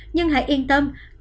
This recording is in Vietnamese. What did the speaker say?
nhưng hãy yên tâm